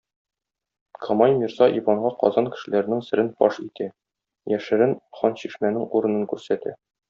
Камай мирза Иванга Казан кешеләренең серен фаш итә, яшерен Ханчишмәнең урынын күрсәтә.